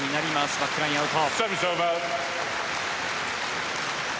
バックライン、アウト。